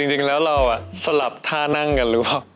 จริงแล้วเราสลับท่านั่งกันหรือเปล่า